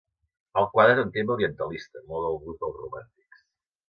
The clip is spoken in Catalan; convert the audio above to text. El quadre té un tema orientalista, molt del gust dels romàntics.